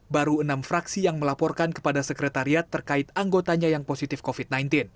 baru enam fraksi yang melaporkan kepada sekretariat terkait anggotanya yang positif covid sembilan belas